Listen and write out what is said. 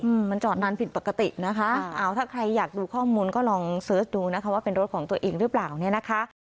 อืมมันจอดนานผิดปกตินะคะอ่าถ้าใครอยากดูข้อมูลก็ลองเสิร์ชดูนะคะว่าเป็นรถของตัวเองหรือเปล่าเนี่ยนะคะ